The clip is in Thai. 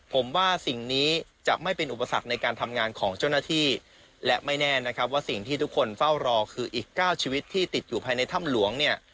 ผมว่าสิ่งนี้จะไม่เป็นอุปสรรคในการทำงานของเจ้าหน้าที่และไม่แน่นะครับว่าสิ่งที่ทุกคนเฝ้ารอคืออีก๙ชีวิตที่ติดอยู่ภายในถ้ำหลวงเนี่ย